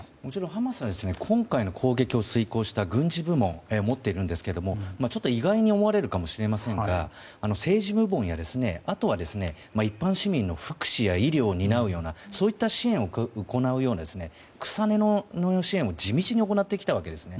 ハマスは今回の攻撃を遂行した軍事部門を持っているんですが意外に思われるかもしれませんが政治部門やあとは一般市民の福祉や医療を担うようなそういった支援を行うような草根の支援も地道に行ってきたんです。